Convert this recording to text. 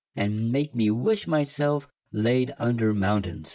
And make me wish my selfe layd under mountaines